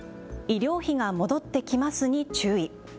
医療費が戻ってきますに注意。